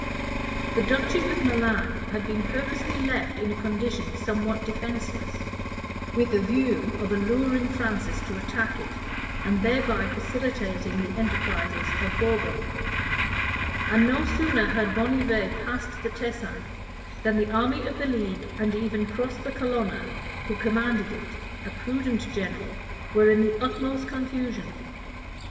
The duchy of Milan had been purposely left in a condition somewhat defenceless, with a view of alluring Francis to attack it, and thereby facilitating the enterprises of Bourbon; and no sooner had Bonnivet passed the Tesin, than the army of the league, and even Prosper Colonna, who commanded it, a prudent general, were in the utmost confusion.